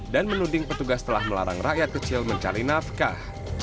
dan menuding petugas telah melarang rakyat kecil mencari nafkah